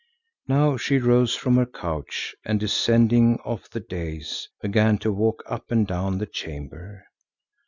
Now she rose from her couch and descending off the dais, began to walk up and down the chamber.